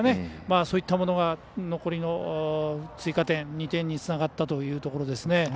そういったものが残りの追加点の２点につながったというところですね。